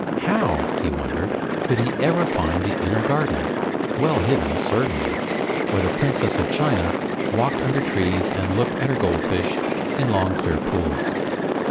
How, he wondered, could he ever find the inner garden well hidden, certainly where the Princess of China walked under trees and looked at her goldfish in long clear pools?